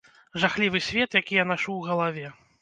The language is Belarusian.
Жахлівы свет, які я нашу ў галаве.